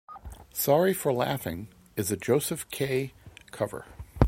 "Sorry for Laughing" is a Josef K cover.